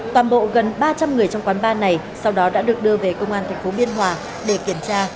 toàn bộ gần ba trăm linh người trong quán bar này sau đó đã được đưa về công an tp biên hòa để kiểm tra